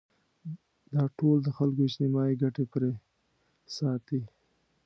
دا ټول د خلکو اجتماعي ګټې پرې ساتي.